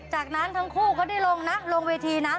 จากนั้นทั้งคู่ก็ได้ลงนะลงเวทีนะ